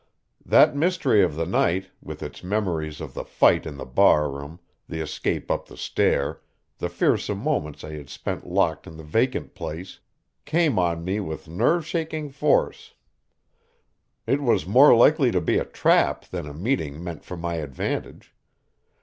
That mystery of the night, with its memories of the fight in the bar room, the escape up the stair, the fearsome moments I had spent locked in the vacant place, came on me with nerve shaking force. It was more likely to be a trap than a meeting meant for my advantage.